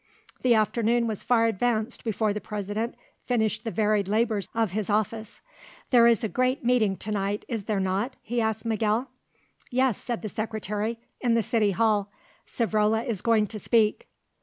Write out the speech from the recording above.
The afternoon was far advanced before the President finished the varied labours of his office. "There is a great meeting to night, is there not?" he asked Miguel. "Yes," said the Secretary, "in the City Hall; Savrola is going to speak."